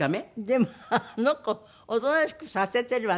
でもあの子おとなしくさせてるわね